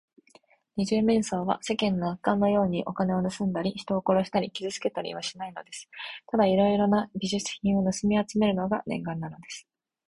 二十面相は、世間の悪漢のように、お金をぬすんだり、人を殺したり、傷つけたりはしないのです。ただいろいろな美術品をぬすみあつめるのが念願なのです。